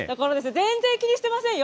全然気にしてませんよ。